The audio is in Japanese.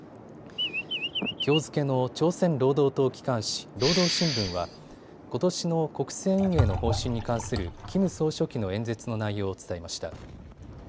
きょう付けの朝鮮労働党機関紙、労働新聞はことしの国政運営の方針に関するキム総書記の演説の内容を伝えました。